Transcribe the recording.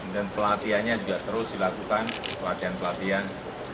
dan pelatihannya juga terus dilakukan pelatihan pelatihan